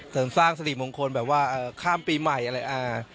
เสริมสร้างสริมงคลแบบว่าข้ามปีใหม่อะไร